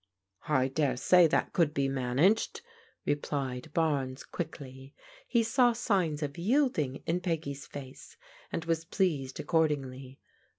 "I dare say that could be managed," replied Barnes quickly. He saw signs of yielding in Peggy's face, and was pleased accordingly.